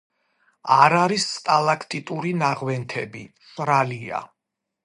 არ არის სტალაქტიტური ნაღვენთები, მშრალია.